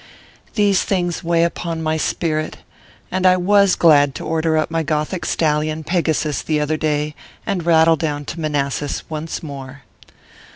These things weigh upon my spirit, and I was glad to order up my Gothic stallion, Pegasus, the other day, and rattle down to Manassas once more.